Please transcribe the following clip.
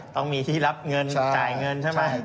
ต้องมีที่รับเงินจ่ายเงินใช่ไหม